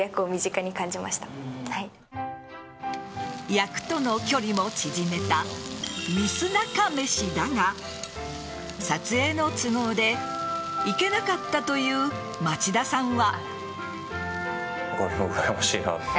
役との距離も縮めたミスなかめしだが撮影の都合で行けなかったという町田さんは。